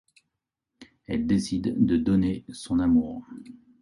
Elle décide de donner son amour.